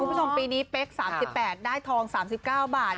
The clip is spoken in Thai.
คุณผู้ชมปีนี้เป๊ก๓๘ได้ทอง๓๙บาท